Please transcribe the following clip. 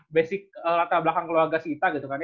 basic latar belakang keluarga sita gitu kan ya